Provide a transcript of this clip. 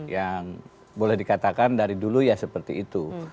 yang boleh dikatakan dari dulu ya seperti itu